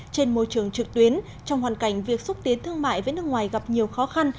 trên môi trường trực tuyến trong hoàn cảnh việc xúc tiến thương mại với nước ngoài gặp nhiều khó khăn